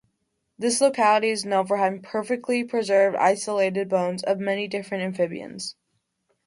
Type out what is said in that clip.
This locality is known for having perfectly preserved isolated bones of many different amphibians.